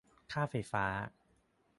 ค่าไฟฟ้า